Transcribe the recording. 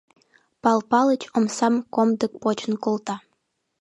Пал Палыч омсам комдык почын колта.